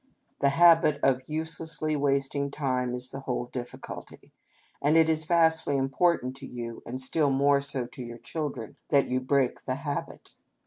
This habit of uselessly wasting time is the whole difficulty ; and it is vastly important to you, and still APPENDIX. 6lS more so to your children, that you should break the habit.